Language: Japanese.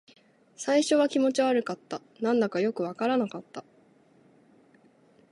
最初は気持ち悪かった。何だかよくわからなかった。